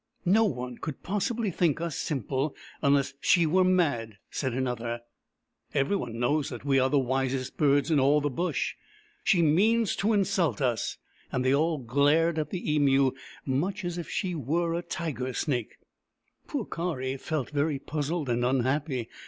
No one could possibly think us simple, unless she were mad," said another, " Every one knows that we are the wisest birds in all the Bush. She means to insult us !" And they all glared at the Emu, much as if she were a tiger snake. Poor Kari felt very puzzled and unhappy.